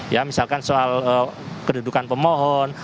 ya misalkan soal kedudukan pemohon